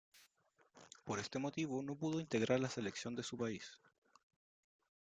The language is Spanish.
Por este motivo no pudo integrar la selección de su país.